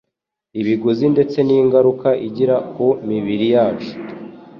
ibiguzi ndetse n’ingaruka igira ku mibiri yacu.